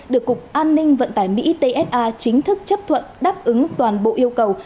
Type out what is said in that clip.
được cục an ninh vận tải mỹ ts chính thức chấp thuận đáp ứng toàn bộ yêu cầu